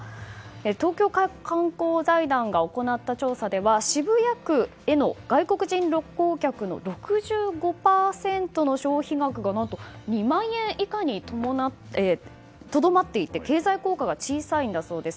東京観光財団が行った調査では渋谷区への外国人旅行客の６５％の消費額が何と２万円以下にとどまっていて経済効果が小さいんだそうです。